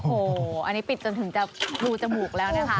โอ้โหอันนี้ปิดจนถึงจะรูจมูกแล้วนะคะ